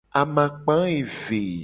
Amakpa eve.